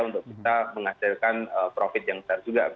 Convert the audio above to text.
untuk kita menghasilkan profit yang besar juga